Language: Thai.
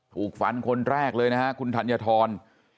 ถูกฟันคนแรกเลยนะฮะคุณธัญฑร